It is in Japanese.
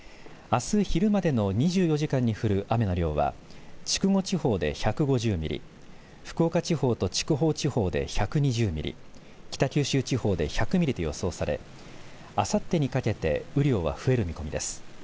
あす昼までの２４時間に降る雨の量は筑後地方で１５０ミリ福岡地方と筑豊地方で１２０ミリ北九州地方で１００ミリと予想され、あさってにかけて雨量は増える見込みです。